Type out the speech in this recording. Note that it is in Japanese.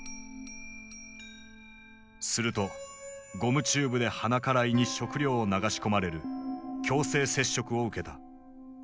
するとゴムチューブで鼻から胃に食料を流し込まれる強制摂食を受けた。